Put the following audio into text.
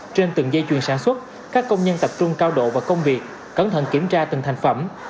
trên từng dây chuyền sản xuất các công nhân tập trung cao độ và công việc cẩn thận kiểm tra từng thành phẩm